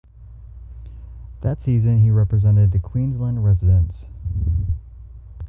That season he represented the Queensland Residents.